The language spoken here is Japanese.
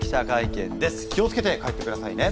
気を付けて帰ってくださいね。